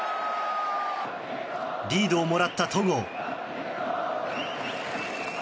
リードをもらった戸郷。